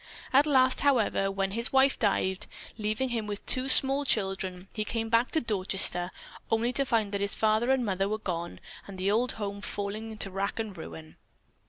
At last, however, when his wife died, leaving him with two small children, he came back to Dorchester only to find that his father and mother were gone and the old home falling into rack and ruin.